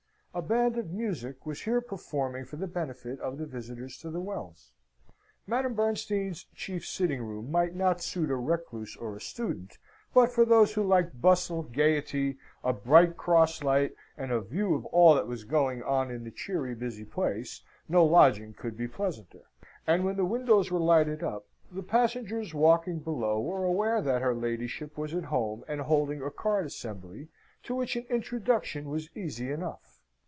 A band of music was here performing for the benefit of the visitors to the Wells. Madame Bernstein's chief sitting room might not suit a recluse or a student, but for those who liked bustle, gaiety, a bright cross light, and a view of all that was going on in the cheery busy place, no lodging could be pleasanter. And when the windows were lighted up, the passengers walking below were aware that her ladyship was at home and holding a card assembly, to which an introduction was easy enough.